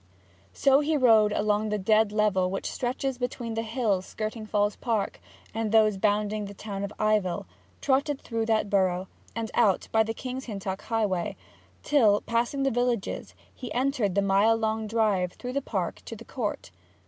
So he rode along the dead level which stretches between the hills skirting Falls Park and those bounding the town of Ivell, trotted through that borough, and out by the King's Hintock highway, till, passing the villages he entered the mile long drive through the park to the Court.